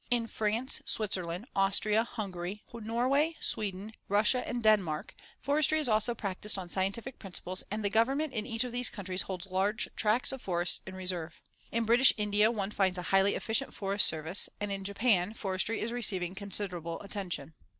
In France, Switzerland, Austria, Hungary, Norway, Sweden, Russia and Denmark, Forestry is also practiced on scientific principles and the government in each of these countries holds large tracts of forests in reserve. In British India one finds a highly efficient Forest Service and in Japan Forestry is receiving considerable attention.